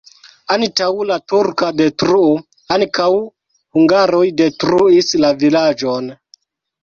Antaŭ la turka detruo ankaŭ hungaroj detruis la vilaĝon.